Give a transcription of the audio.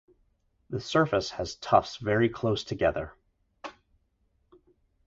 The surface has tufts very close together.